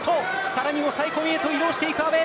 さらに抑え込みへと移動していく阿部。